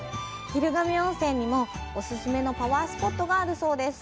昼神温泉にもオススメのパワースポットがあるそうです！